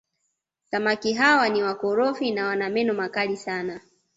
samaki hawa ni wakorofi na wana meno makali sana